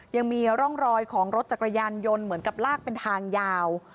ยังมีร่องรอยของรถจักรยานยนต์เหมือนกับลากเป็นทางยาว